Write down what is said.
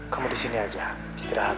kamu disini aja istirahat